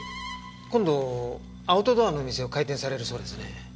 今度アウトドアのお店を開店されるそうですね。